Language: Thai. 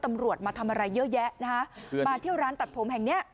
ตำรวจมาทำอะไรเยอะแยะนะฮะมาเที่ยวร้านตัดผมแห่งเนี้ย